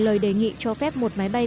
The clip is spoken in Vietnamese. lời đề nghị cho phép một máy bay